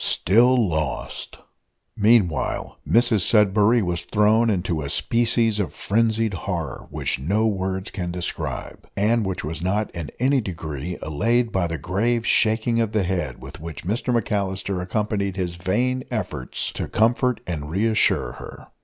STILL LOST! Meanwhile, Mrs Sudberry was thrown into a species of frenzied horror, which no words can describe, and which was not in any degree allayed by the grave shaking of the head, with which Mr McAllister accompanied his vain efforts to comfort and re assure her.